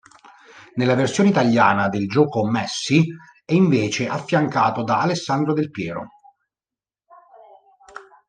Nella versione italiana del gioco Messi è invece affiancato da Alessandro Del Piero.